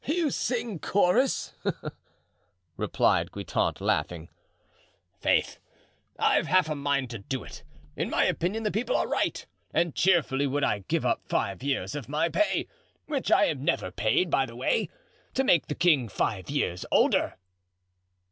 "And you sing chorus," replied Guitant, laughing. "Faith, I've half a mind to do it. In my opinion the people are right; and cheerfully would I give up five years of my pay—which I am never paid, by the way—to make the king five years older."